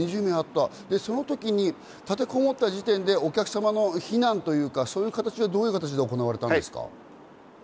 その時に立てこもった時点でお客様の避難というか、そういうのはどういう形で行われたんですか？